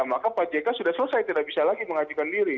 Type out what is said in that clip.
maka pak jk sudah selesai tidak bisa lagi mengajukan diri